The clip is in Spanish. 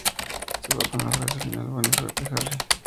Se va con la frase final, "Buena suerte, Harry".